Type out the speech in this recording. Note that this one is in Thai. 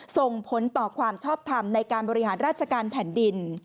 ส่งผลต่อความชอบทำในการบริหารราชการแผ่นดิน